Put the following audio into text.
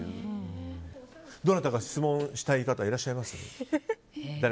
どなたか質問したい方いらっしゃいます？